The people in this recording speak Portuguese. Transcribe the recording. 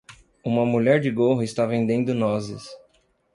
Uma mulher de gorro está vendendo nozes.